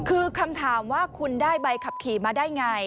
คือคำถามว่าคุณได้ใบขับขี่มาได้ไง